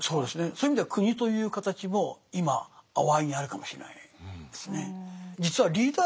そういう意味では国という形も今あわいにあるかもしれないですね。